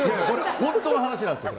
本当の話なんですよ、これ。